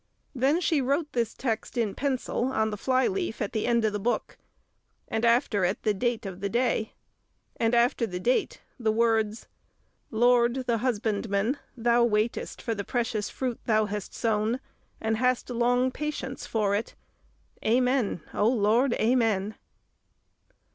Then she wrote this text in pencil on the flyleaf at the end of the book, and after it the date of the day, and after the date the words, "Lord, the husbandman, Thou waitest for the precious fruit Thou hast sown, and hast long patience for it! Amen, O Lord, Amen!"